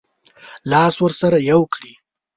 لاس ورسره یو کړي.